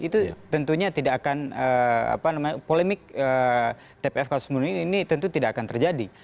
itu tentunya tidak akan polemik tpf kasus munir ini tentu tidak akan terjadi